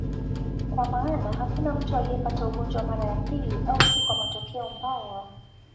Kwa maana hakuna mtu aliyepata ugonjwa mara ya pili, au si kwa matokeo mbaya.